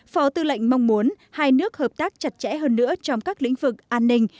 phó tư lệnh mong muốn hai nước hợp tác chặt chẽ hơn nữa trong các lĩnh vực an ninh